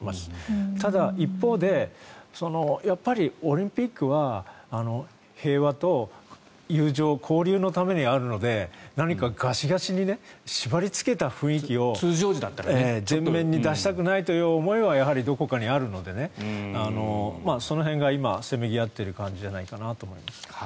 ただ、一方でやっぱりオリンピックは平和と友情交流のためにあるので何かガチガチにしばりつけた雰囲気を前面に出したくないという思いはどこかにあるのでその辺が今、せめぎ合っている感じじゃないかなと思います。